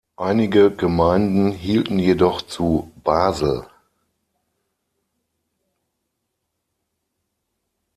Einige Gemeinden hielten jedoch zu Basel.